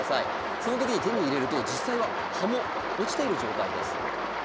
そのときに手に入れると実際は葉も落ちている状態です。